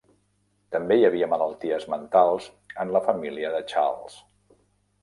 També hi havia malalties mentals en la família de Charles.